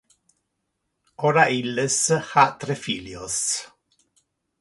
Ora illes ha tres filios.